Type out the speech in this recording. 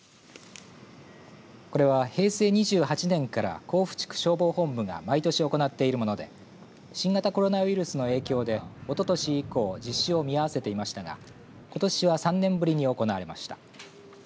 これは平成２８年から甲府地区消防本部が毎年行っているもので新型コロナウイルスの影響でおととし以降実施を見合わせていましたがことしは３年ぶりに行われました。